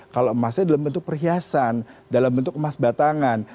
kalau emasnya dalam bentuk perhiasan dalam bentuk emas batangan